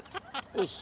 よし！